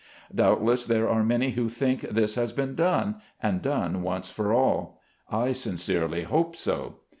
Doubtless there are many who think this has been done, and done once for all. I sincerely hope so.